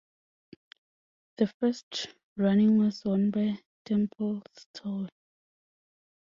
The first running was won by Templestowe.